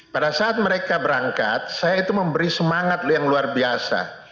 pada saat mereka berangkat saya itu memberi semangat yang luar biasa